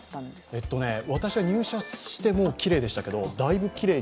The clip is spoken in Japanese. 私が入社してきれいでしたけど、だいぶきれいに。